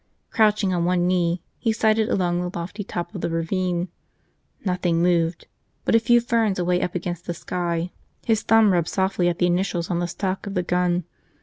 Crouching on one knee, he sighted along the lofty top of the ravine. Nothing moved but a few ferns away up against the sky. His thumb rubbed softly at the initials on the stock of the gun.